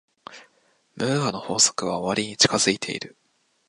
ムーアの法則は終わりに近づいている。